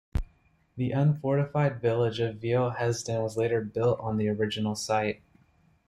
The unfortified village of Vieil-Hesdin was later built on the original site.